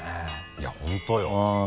いや本当よ。